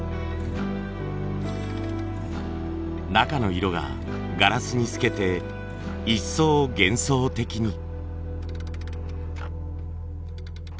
中の色がガラスに透けて一層幻想的に。